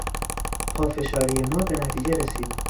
پافشاری ما به نتیجه رسید.